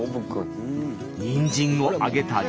にんじんをあげたり。